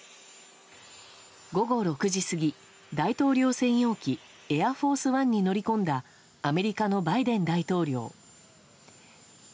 午後６時過ぎ、大統領専用機「エアフォースワン」に乗り込んだアメリカのバイデン大統領。